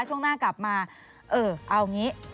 ช่วงหน้ากลับมาเออเอางี้